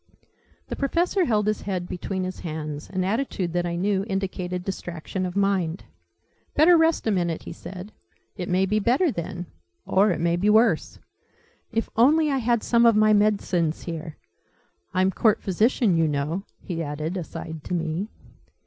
The Professor held his head between his hands an attitude that I knew indicated distraction of mind. "Better rest a minute," he said. "It may be better then or it may be worse. If only I had some of my medicines here! I'm Court Physician, you know," he added, aside to me.